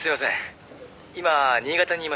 今新潟にいます」